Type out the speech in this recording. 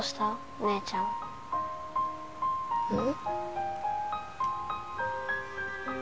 姉ちゃんうん？